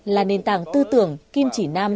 là nền tảng tư tưởng kim chỉ nam